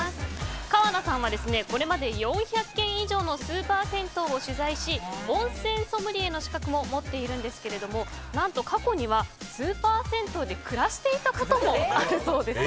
川名さんはこれまで４００軒以上のスーパー銭湯を取材し温泉ソムリエの資格も持っているんですけれども何と過去にはスーパー銭湯で暮らしていたこともあるそうです。